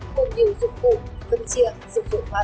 còn nhiều dụng cụ phân triện dụng dụng ma túy